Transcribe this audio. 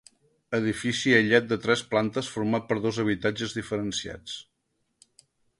Edifici aïllat de tres plantes format per dos habitatges diferenciats.